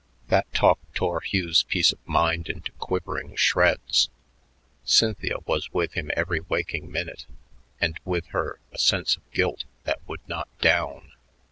That talk tore Hugh's peace of mind into quivering shreds. Cynthia was with him every waking minute, and with her a sense of guilt that would not down.